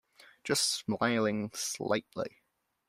Just smiling slightly.